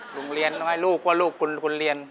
โรงเรียนให้ลูกว่าลูกคุณเรียน